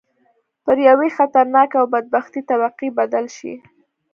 پر یوې خطرناکې او بدبختې طبقې بدل شي.